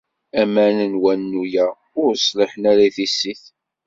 Aman n wanu-a ur ṣliḥen i tissit.